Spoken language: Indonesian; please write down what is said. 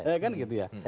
ya kan gitu ya